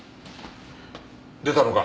出たのか？